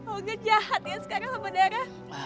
olga jahat ya sekarang sama dara